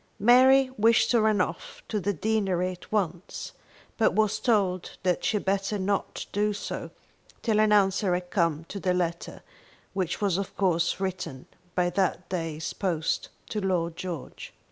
Mary wished to run off to the deanery at once, but was told that she had better not do so till an answer had come to the letter which was of course written by that day's post to Lord George.